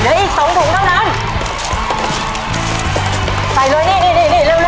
เดี๋ยวอีกสองถุงเท่านั้นใส่เลยนี่นี่นี่นี่เร็วเร็วเร็ว